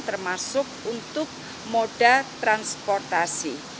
termasuk untuk moda transportasi